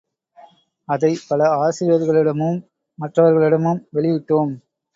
அதைப் பல ஆசிரியர்களிடமும் மற்றவர்களிடமும் வெளியிட்டோம்.